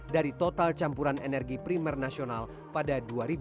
dari total campuran energi primer nasional pada dua ribu dua puluh